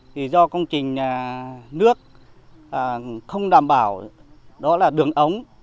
thì do công trình nước không đảm bảo đó là đường ống